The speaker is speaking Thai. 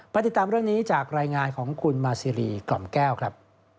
ติดตามเรื่องนี้จากรายงานของคุณมาซีรีกล่อมแก้วครับ